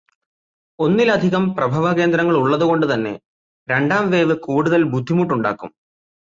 ഒന്നിലധികം പ്രഭവകേന്ദ്രങ്ങൾ ഉള്ളത് കൊണ്ട് തന്നെ, രണ്ടാം വേവ് കൂടുതൽ ബുദ്ധിമുട്ട് ഉണ്ടാക്കും.